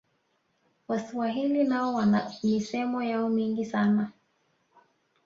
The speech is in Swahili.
waswahili nao wana misemo yao mingi sana